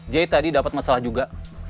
j tadi dapat masalah juga